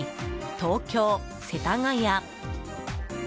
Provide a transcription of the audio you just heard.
東京・世田谷。